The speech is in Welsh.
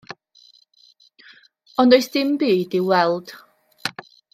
Ond does dim byd i'w weld.